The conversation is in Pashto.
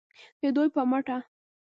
د دوی په مټه